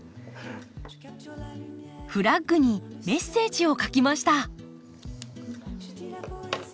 フラッグにメッセージを書きました。